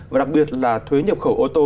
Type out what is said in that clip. và đặc biệt là thuế nhập khẩu ô tô